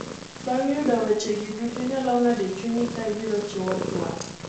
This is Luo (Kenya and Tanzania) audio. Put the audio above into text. Bang' yudo weche gi duto, inyalo ng'ado e chunyi ka ibiro chiwo tuak.